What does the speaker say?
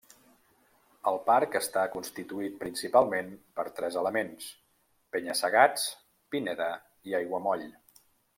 El parc està constituït principalment per tres elements: penya-segats, pineda i aiguamoll.